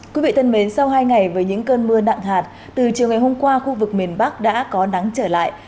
quý vị thân mến sau hai ngày với những cơn mưa nặng hạt từ chiều ngày hôm qua khu vực miền bắc đã có nắng trở lại